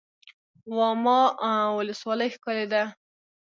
واما ولسوالۍ ښکلې ده؟